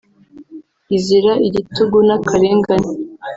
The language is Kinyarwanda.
izira igitugu n’akarengane